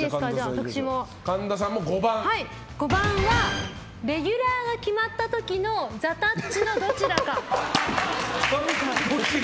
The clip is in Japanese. ５番はレギュラーが決まったのザ・たっちのどちらか。